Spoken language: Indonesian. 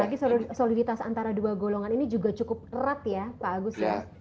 apalagi soliditas antara dua golongan ini juga cukup erat ya pak agus ya